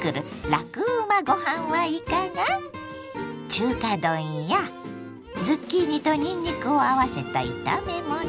中華丼やズッキーニとにんにくを合わせた炒めもの。